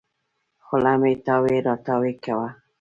خوله مه تاوې راو تاوې کوه.